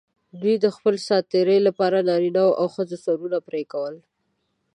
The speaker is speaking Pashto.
دوی د خپل سات تېري لپاره د نارینه او ښځو سرونه پرې کول.